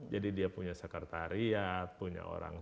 jadi dia punya sekretariat punya orang lain